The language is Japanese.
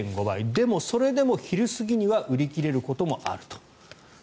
でも、それでも昼過ぎには売り切れることもあると。